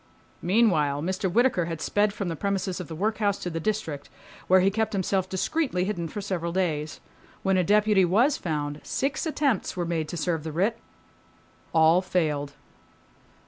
Meanwhile Mr. Whittaker, had sped from the premises of the workhouse to the District, where he kept himself discreetly hidden for several days. When a deputy was found, six attempts were made to serve the writ. All failed.